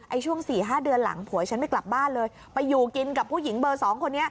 ช่วง๔๕เดือนหลังผัวฉันไม่กลับบ้านเลยไปอยู่กินกับผู้หญิงเบอร์๒คนนี้